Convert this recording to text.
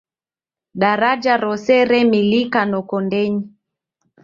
Daraja rose remilika noko ndenyi.